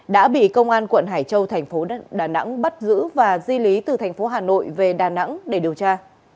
đã bị công an quận hải châu thành phố đà nẵng bắt giữ và di lý từ thành phố hà nội về đà nẵng để điều tra